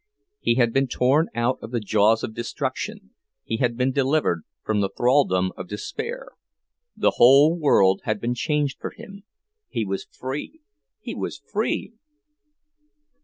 He had been torn out of the jaws of destruction, he had been delivered from the thraldom of despair; the whole world had been changed for him—he was free, he was free!